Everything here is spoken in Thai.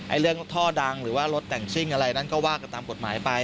เรื่องท่อดังหรือว่ารถแต่งซิ่งอะไรนั้นก็ว่ากันตามกฎหมายไป